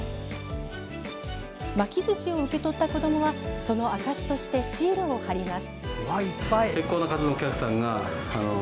巻きずしを受け取った子どもはその証しとしてシールを貼ります。